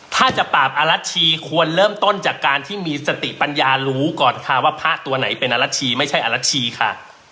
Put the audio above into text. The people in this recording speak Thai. ถ้าจะปราบอลัชชีควรเริ่มต้นจากการที่มีสติปัญญารู้ก่อนค่ะว่าพระตัวไหนเป็นอรัชชีไม่ใช่อรัชชีค่ะ